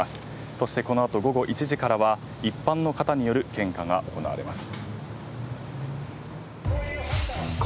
そしてこの後、午後１時からは一般の方による献花が行われます。